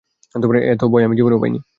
এত ভয় আমি জীবনেও পাইনি।